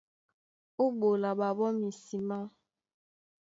Ó ɓola ɓaɓó misimá.